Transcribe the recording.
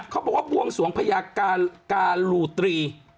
เขาบอกว่าบวงสวงพญาการูตรี